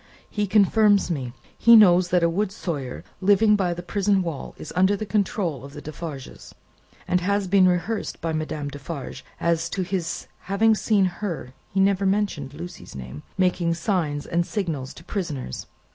He confirms me. He knows that a wood sawyer, living by the prison wall, is under the control of the Defarges, and has been rehearsed by Madame Defarge as to his having seen Her" he never mentioned Lucie's name "making signs and signals to prisoners.